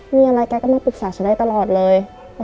มีอะไรแกก็มาปรึกษาตลอดเลย